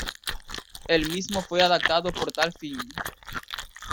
El mismo fue adaptado para tal fin.